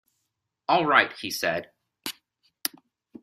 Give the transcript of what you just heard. "All right," he said.